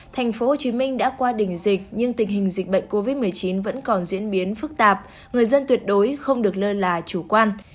tp hcm đã qua đỉnh dịch nhưng tình hình dịch bệnh covid một mươi chín vẫn còn diễn biến phức tạp người dân tuyệt đối không được lơ là chủ quan